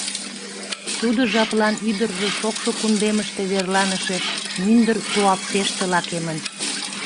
Тудо жаплан ӱдыржӧ шокшо кундемыште верланыше мӱндыр Туапсеште лакемын.